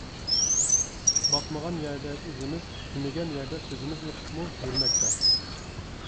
باسمىغان يەردە ئىزىمىز، دېمىگەن يەردە سۆزىمىز ئېقىپمۇ يۈرمەكتە.